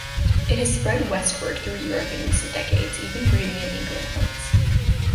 It has spread westward through Europe in recent decades, even breeding in England once.